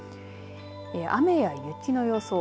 雨や雪の予想。